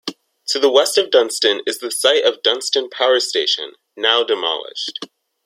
To the west of Dunston is the site of Dunston Power Station, now demolished.